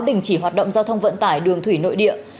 đình chỉ hoạt động giao thông vận tải đường thủy nội địa